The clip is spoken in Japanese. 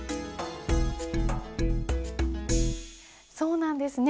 そうなんですね。